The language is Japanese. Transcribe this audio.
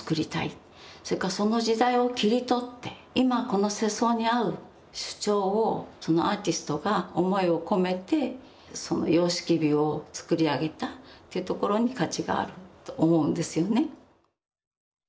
それからその時代を切り取って今この世相に合う主張をアーティストが思いを込めて様式美を作り上げたっていうところに価値があると思うんですよね。